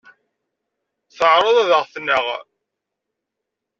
Teɛreḍ ad aɣ-tneɣ.